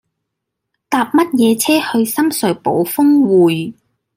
搭乜嘢車去深水埗丰滙